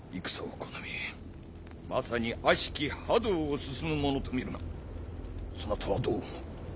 まさに悪しき覇道を進む者と見るがそなたはどう思う？